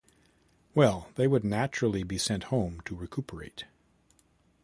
Well, they would naturally be sent home to recuperate.